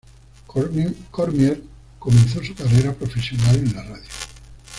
Cormier comenzó su carrera profesional en la radio.